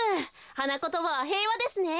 はなことばはへいわですね。